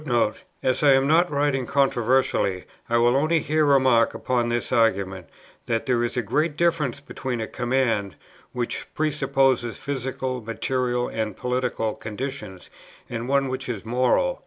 As I am not writing controversially, I will only here remark upon this argument, that there is a great difference between a command, which presupposes physical, material, and political conditions, and one which is moral.